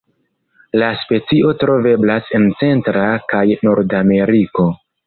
La specio troveblas en Centra kaj Nordameriko.